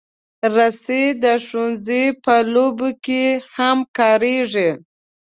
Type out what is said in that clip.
رسۍ د ښوونځي په لوبو کې هم کارېږي.